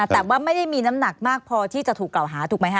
แต่ว่าไม่ได้มีน้ำหนักมากพอที่จะถูกกล่าวหาถูกไหมคะ